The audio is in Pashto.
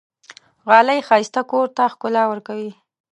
غالۍ ښایسته کور ته ښکلا ورکوي.